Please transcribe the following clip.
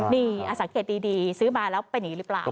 นี่สังเกตดีซื้อมาแล้วเป็นอย่างนี้หรือเปล่า